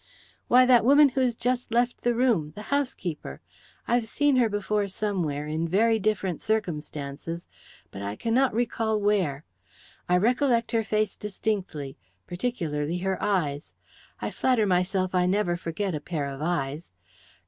"Why, that woman who has just left the room that housekeeper. I've seen her before somewhere, in very different circumstances, but I cannot recall where. I recollect her face distinctly particularly her eyes. I flatter myself I never forget a pair of eyes.